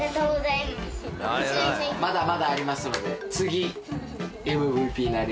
まだまだありますので。